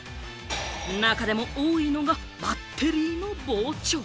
中でも多いのが、バッテリーの膨張。